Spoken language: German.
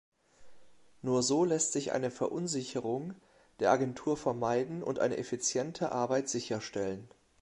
Nur so lässt sich eine Verunsicherung der Agentur vermeiden und eine effiziente Arbeit sicherstellen.